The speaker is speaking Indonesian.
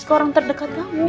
ke orang terdekat kamu